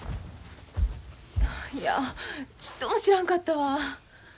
いやちっとも知らんかったわ。